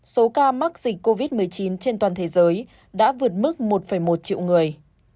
số ca mắc dịch covid một mươi chín trên toàn thế giới đã vượt mức một một triệu người